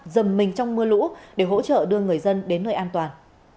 dầm mình trong mưa lũ để hỗ trợ đưa người dân đến nơi an toàn